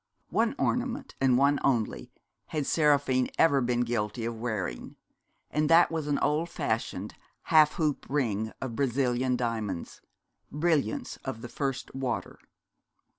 One ornament, and one only, had Seraphine ever been guilty of wearing, and that was an old fashioned half hoop ring of Brazilian diamonds, brilliants of the first water.